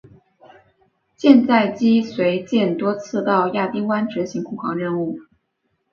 舰载机随舰多次到亚丁湾执行护航任务。